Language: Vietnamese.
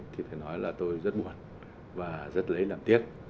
thì phải nói là tôi rất buồn và rất lấy làm tiếc